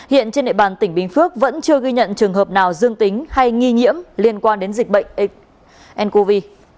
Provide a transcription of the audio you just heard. hiện trên địa bàn tỉnh bình phước vẫn chưa ghi nhận trường hợp nào dương tính hay nghi nhiễm liên quan đến dịch bệnh ncov